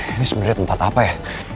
ini sebenarnya tempat apa ya